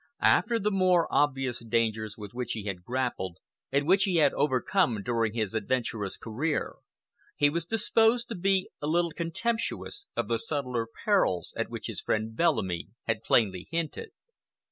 After the more obvious dangers with which he had grappled and which he had overcome during his adventurous career, he was disposed to be a little contemptuous of the subtler perils at which his friend Bellamy had plainly hinted.